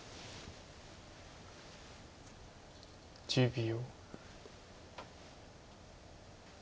１０秒。